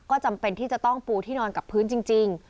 ก็จำเป็นที่จะต้องปูที่นอนกับพื้นจริง